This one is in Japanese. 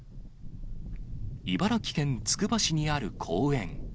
茨城県つくば市にある公園。